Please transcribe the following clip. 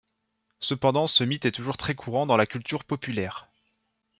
Cependant ce mythe est toujours très courant dans la culture populaire.